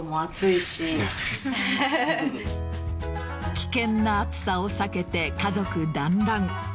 危険な暑さを避けて家族団らん。